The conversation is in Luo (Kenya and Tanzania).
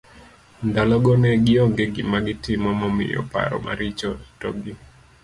Ndalo go ne gionge gima gitimo momiyo paro maricho to gi